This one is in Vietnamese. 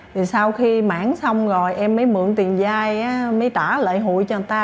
thì sau khi mảng xong rồi em mới mượn tiền dai mới trả lại hụi cho người ta